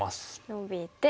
ノビて。